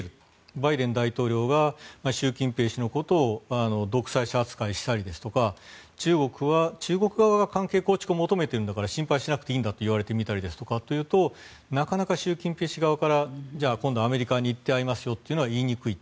バイデン大統領が習近平氏のことを独裁者扱いしたりですとか中国は、中国側は関係構築を求めているんだから心配しなくていいんだといわれてみたりですとかっていうとなかなか習近平氏側からじゃあ、今度アメリカに行って会いますよとは言いにくい。